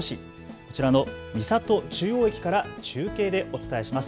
こちらの三郷中央駅から中継でお伝えします。